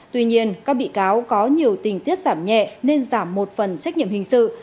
tuy nhiên các bị cáo có nhiều tình tiết giảm nhẹ nên giảm một phần trách nhiệm hình sự